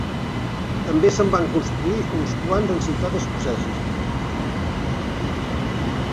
També se'n van construir uns quants en ciutats escoceses.